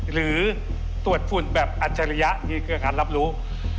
หรือตรวจฝุ่นแบบอัจฉริยะมีเครือขันรับรู้